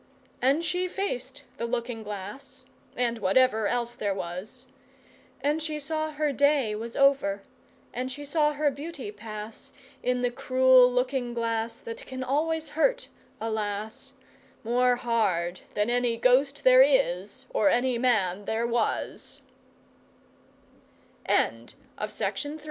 And she faced the looking glass (and whatever else there was), And she saw her day was over and she saw her beauty pass In the cruel looking glass that can always hurt a lass More hard than any ghost there is or an